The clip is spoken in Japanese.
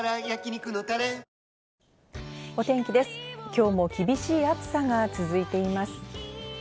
今日も厳しい暑さが続いています。